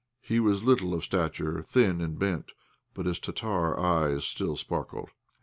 He was little of stature, thin and bent; but his Tartar eyes still sparkled.